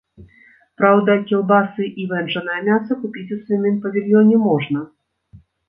Праўда, кілбасы і вэнджанае мяса купіць у свіным павільёне можна.